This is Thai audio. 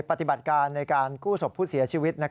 ปฏิบัติการในการกู้ศพผู้เสียชีวิต